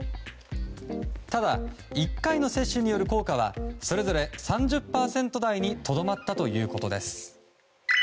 ただ１回の接種による効果はそれぞれ３０％台にとどまったということです。